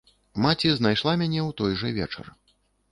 Маці знайшла мяне ў той жа вечар.